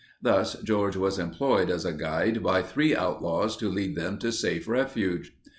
Thus George was employed as a guide by three outlaws to lead them to safe refuge.